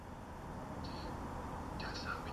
watu walifariki kutokana na baridi kali